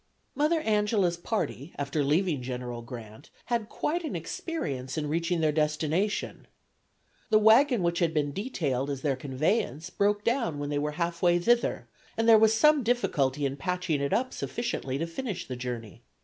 '" Mother Angela's party after leaving General Grant had quite an experience in reaching their destination. The wagon which had been detailed as their conveyance broke down when they were half way thither, and there was some difficulty in patching it up sufficiently to finish the journey.